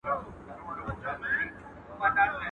o آس شيشني، خر رايي، غاتري نوري بلاوي وايي.